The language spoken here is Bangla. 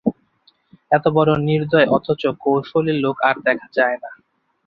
এত বড়ো নির্দয় অথচ কৌশলী লোক আর দেখা যায় না।